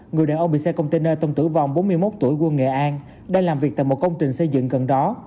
người đàn ông bị xe container tông tử vong bốn mươi một tuổi quê nghệ an đang làm việc tại một công trình xây dựng gần đó